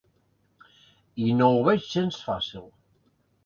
I no ho veig gens fàcil.